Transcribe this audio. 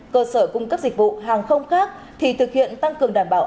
cơ sở cung cấp dịch vụ hàng không khác thì thực hiện tăng cường đảm bảo